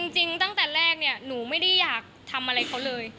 จริงตั้งแต่แรกเนี่ยหนูไม่ได้อยากทำอะไรเขาเลย